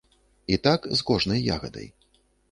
І так з кожнай ягадай.